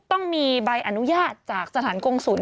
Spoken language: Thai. ต้องมีใบอนุญาตจากสถานกงศูนย